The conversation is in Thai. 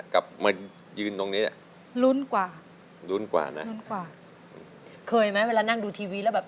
กลับมายืนตรงนี้อ่ะลุ้นกว่าลุ้นกว่านะลุ้นกว่าเคยไหมเวลานั่งดูทีวีแล้วแบบ